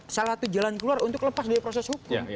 salah satu jalan keluar untuk lepas dari proses hukum